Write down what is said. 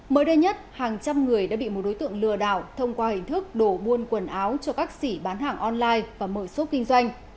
mới đây nhất hàng trăm người đã bị một đối tượng lừa đảo thông qua hình thức đổ buôn quần áo cho các sĩ bán hàng online và mở xốp kinh doanh